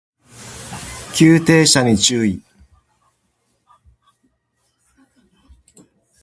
急停車に注意